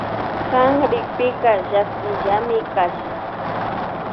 Kan rikpika llakillami kasha.